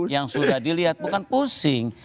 yang sudah dilihat bukan pusing